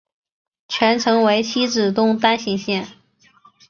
全程为西至东单行线。